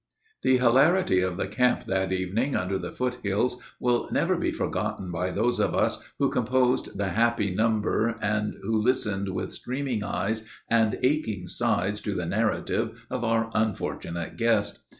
'" The hilarity of the camp that evening under the foot hills will never be forgotten by those of us who composed the happy number, and who listened with streaming eyes and aching sides to the narrative of our unfortunate guest.